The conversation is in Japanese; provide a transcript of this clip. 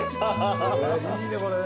えいいねこれね。